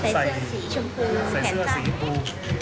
เสื้อเสียงสีชมพู